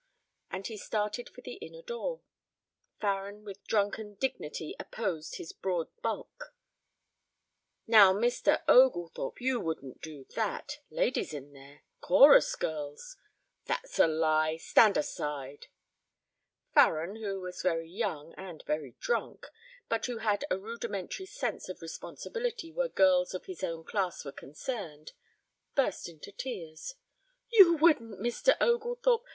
As he started for the inner door, Farren with drunken dignity opposed his broad bulk. "Now, Mr. Oglethorpe, you wouldn't do that. Ladies in there. Chorus girls " "That's a lie. Stand aside." Farren, who was very young and very drunk, but who had a rudimentary sense of responsibility where girls of his own class were concerned, burst into tears. "You wouldn't, Mr. Oglethorpe!